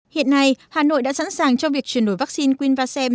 hiện nay hà nội đã sẵn sàng cho việc truyền đổi vaccine quinvasem